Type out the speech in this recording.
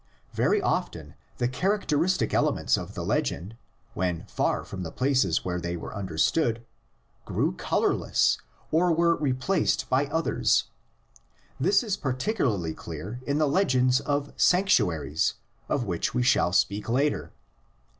Very often the characteristic elements of the legend, when far from the places where they were understood, grew colorless or were replaced by others. This is particularly clear in the legends of sanctuaries, of which we shall speak later.